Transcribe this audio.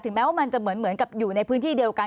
แม้ว่ามันจะเหมือนกับอยู่ในพื้นที่เดียวกัน